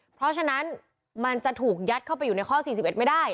เพราะฉะนั้นมันจะถูกยัดเข้าไปอยู่ในข้อ๔๑ไม่ได้